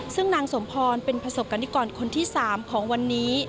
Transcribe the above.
ซึ่งนางสมพรเป็นประสบกรณิกรคนที่๓ของวันนี้